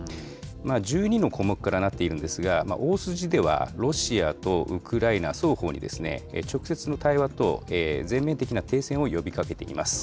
１２の項目からなっているんですが、大筋ではロシアとウクライナ双方に、直接の対話と全面的な停戦を呼びかけています。